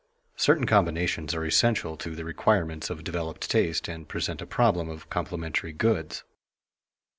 Certain combinations are essential to the requirements of developed taste and present a problem of complementary goods.